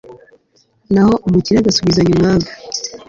naho umukire agasubizanya umwaga